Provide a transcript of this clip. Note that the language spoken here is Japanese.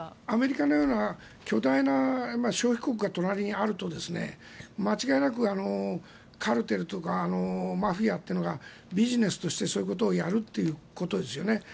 アメリカのような巨大な消費国が隣にあると間違いなくカルテルとかマフィアというのがビジネスとしてそういうことをやるということですよね。